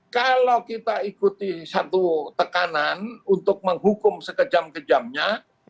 kalau kita ikuti satu tekanan untuk menghukum sekejam kejamnya